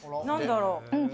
何だろ。